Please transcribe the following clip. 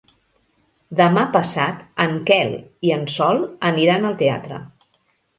Demà passat en Quel i en Sol aniran al teatre.